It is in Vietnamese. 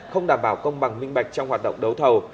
không đảm bảo công bằng minh bạch trong hoạt động đấu thầu